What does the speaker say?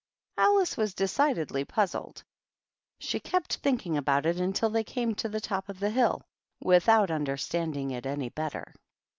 Alice was decidedly puzzled ; she kept thinking about it until they came to the top of the hill, without understanding it any better.